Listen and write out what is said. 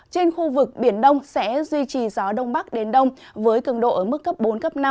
trên khu vực biển đông sẽ duy trì gió đông bắc đến đông với cường độ ở mức cấp bốn cấp năm